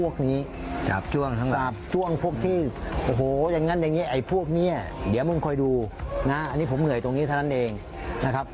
ช่วงพวกที่โอ้โหอย่างนั้นอย่างนี้ไอ้พวกนี้เดี๋ยวมึงคอยดูนะอันนี้ผมเหนื่อยตรงนี้เท่านั้นเองนะครับ